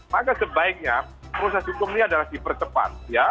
maka sebaiknya proses hukum ini adalah dipercepat ya